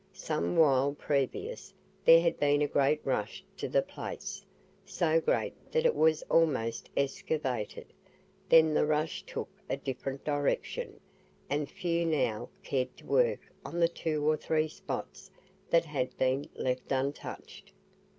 Some while previous there had been a great rush to the place, so great that it was almost excavated; then the rush took a different direction, and few now cared to work on the two or three spots that had been left untouched.